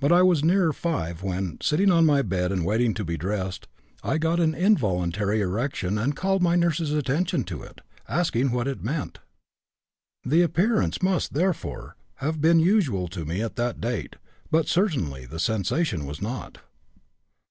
But I was nearer 5 when, sitting on my bed and waiting to be dressed, I got an involuntary erection and called my nurse's attention to it, asking what it meant. The appearance must, therefore, have been usual to me at that date, but certainly the sensation was not.)